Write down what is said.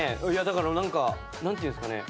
だから何か何ていうんですかね。